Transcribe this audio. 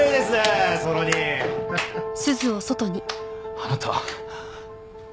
あなた。